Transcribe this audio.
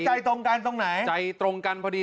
ใจตรงกันตรงไหนใจตรงกันพอดี